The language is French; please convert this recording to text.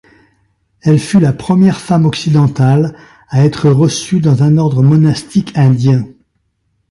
Elle fut la première femme occidentale à être reçue dans un ordre monastique indien.